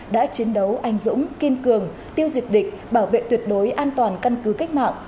đã chiến đấu anh dũng kiên cường tiêu diệt địch bảo vệ tuyệt đối an toàn căn cứ cách mạng